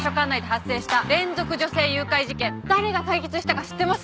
誰が解決したか知ってます？